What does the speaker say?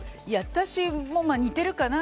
私も似てるかな。